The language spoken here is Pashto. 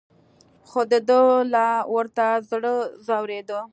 خو دده لا ورته زړه ځورېده.